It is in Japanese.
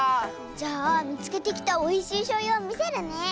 じゃあみつけてきたおいしいしょうゆをみせるね。